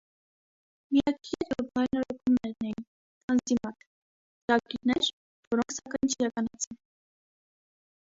Միակ ելքը բարենորոգումներն էին (թանզիմաթ), ծրագիրներ՝ որոնք սակայն չկիրականացան։